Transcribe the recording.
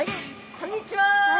こんにちは。